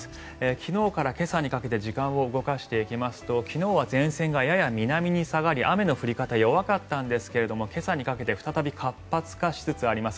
昨日から今朝にかけて時間を動かしていきますと昨日は前線がやや南に下がり雨の降り方弱かったんですが今朝にかけて再び活発化しつつあります。